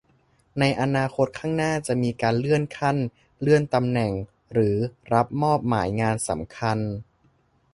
ในอนาคตข้างหน้าจะมีการเลื่อนขั้นเลื่อนตำแหน่งหรือรับมอบหมายงานสำคัญ